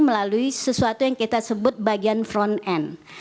melalui sesuatu yang kita sebut bagian front end